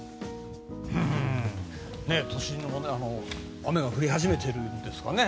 都心も雨が降り始めているんですかね。